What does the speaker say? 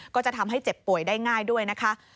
ก็จะทำให้เจ็บป่วยได้ง่ายด้วยนะคะ